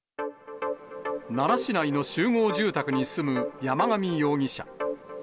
奈良市内の集合住宅に住む山上容疑者。